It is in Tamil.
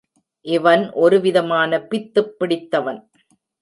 இவன் ஒருவிதமான பித்துப் பிடித்தவன்.